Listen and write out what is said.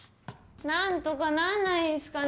なんとかなんないんすか？